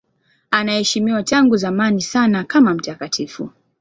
Anaheshimiwa tangu zamani sana kama mtakatifu.